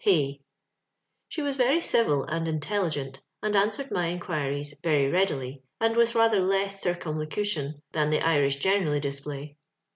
» She was very eivil and intelligent, and an swered my inqoiries very readily, and with rather less oircnmlocution than the Irish generally display.